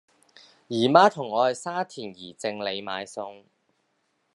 姨媽同我去沙田宜正里買餸